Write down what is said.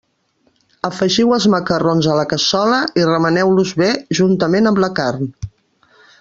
Afegiu els macarrons a la cassola i remeneu-los bé, juntament amb la carn.